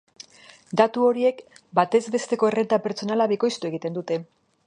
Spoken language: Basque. Datu horiek batez besteko errenta pertsonala bikoiztu egiten dute.